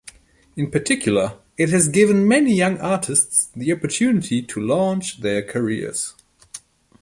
In particular, it has given many young artists the opportunity to launch their careers.